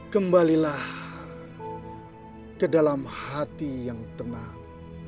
kembalilah ke dalam hati yang tenang